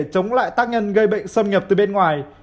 chống lại tác nhân gây bệnh xâm nhập từ bên ngoài